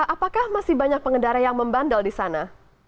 apakah masih banyak pengendara yang membandel di sana